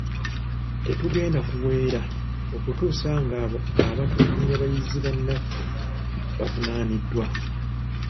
Tetugenda kuweera okutuusa nga abo abaatulugunya bayizi bannaffe bavunaaniddwa.